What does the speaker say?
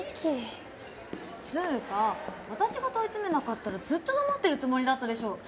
っつーか私が問い詰めなかったらずっと黙ってるつもりだったでしょ！